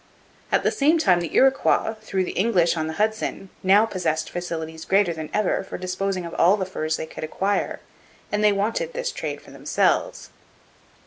At the same time the Iroquois, through the English on the Hudson, now possessed facilities greater than ever for disposing of all the furs they could acquire; and they wanted this trade for themselves.